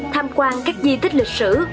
tham quan các di tích lịch sử